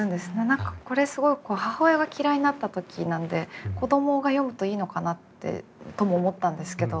何かこれすごい母親が嫌いになった時なんで子供が読むといいのかなとも思ったんですけど